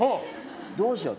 どうしようって。